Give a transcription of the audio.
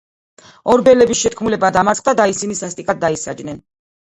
ორბელების შეთქმულება დამარცხდა და ისინი სასტიკად დაისაჯნენ.